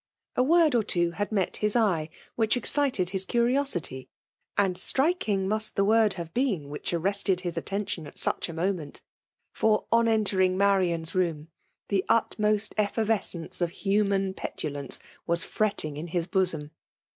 A word or two had met his eye which excited his curiosity; and striking must the word have been which arrested his attention at such a moment ; for, on entering Marian's room, the utmost effervescence of human petulance was fretting in his bosom.